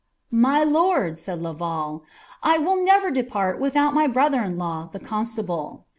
''"" My lord." raid Laval, " 1 will never depart without my btolhtrHO law. the constable."